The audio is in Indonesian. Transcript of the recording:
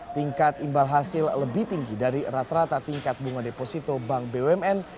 tingkat imbal hasil lebih tinggi dari rata rata tingkat bunga deposito bank bumn